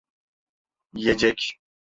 Yiyecek…